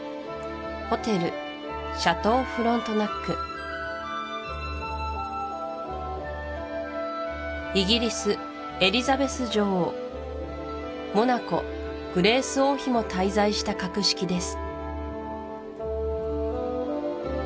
ホテルシャトーフロントナックイギリスエリザベス女王モナコグレース王妃も滞在した格式です